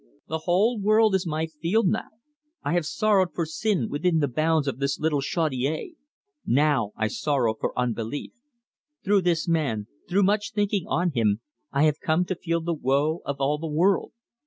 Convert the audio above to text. The whole world is my field now. I have sorrowed for sin, within the bounds of this little Chaudiere. Now I sorrow for unbelief. Through this man, through much thinking on him, I have come to feel the woe of all the world.